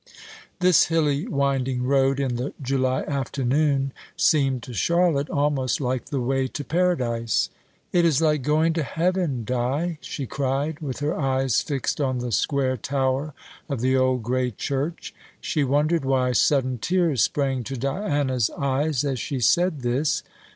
This hilly winding road in the July afternoon seemed to Charlotte almost like the way to Paradise. "It is like going to heaven, Di!" she cried, with her eyes fixed on the square tower of the old grey church. She wondered why sudden tears sprang to Diana's eyes as she said this.